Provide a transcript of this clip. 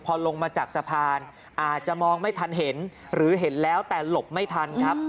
พอลงมาจากสะพานอาจจะมองไม่ทันเห็นหรือเห็นแล้วแต่หลบไม่ทันครับ